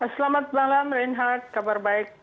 selamat malam reinhardt kabar baik